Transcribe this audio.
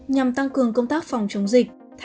nhằm tăng cường công tác phòng chống dịch